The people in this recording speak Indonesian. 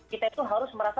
kita itu harus merasa